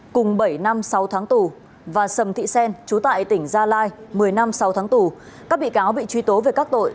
cùng bảy năm sáu tháng tù và sầm thị xen chú tại tỉnh gia lai một mươi năm sáu tháng tù các bị cáo bị truy tố về các tội